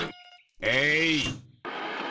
えい！